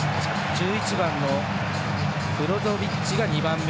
１１番のブロゾビッチが２番目。